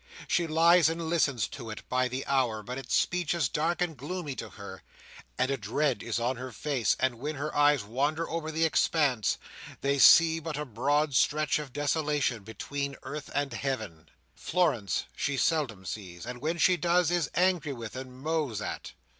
She lies and listens to it by the hour; but its speech is dark and gloomy to her, and a dread is on her face, and when her eyes wander over the expanse, they see but a broad stretch of desolation between earth and heaven. Florence she seldom sees, and when she does, is angry with and mows at.